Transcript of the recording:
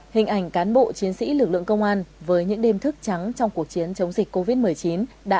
hình ảnh cán bộ chiến sĩ lực lượng công an với những đêm thức trắng trong cuộc chiến chống dịch covid một mươi chín đã